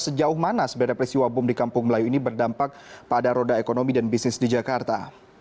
sejauh mana sebenarnya peristiwa bom di kampung melayu ini berdampak pada roda ekonomi dan bisnis di jakarta